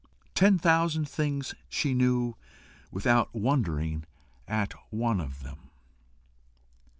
Ten thousand things she knew without wondering at one of them.